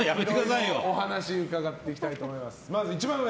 いろいろお話伺っていきたいと思います。